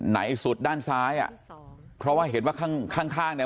สุดด้านซ้ายอ่ะเพราะว่าเห็นว่าข้างข้างเนี่ย